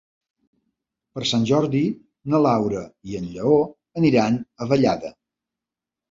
Per Sant Jordi na Laura i en Lleó aniran a Vallada.